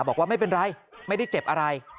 บอกว่าไม่เป็นไรไม่ได้เจ็บอะไร